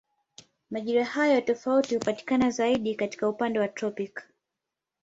Majira hayo tofauti hupatikana zaidi katika ukanda wa tropiki.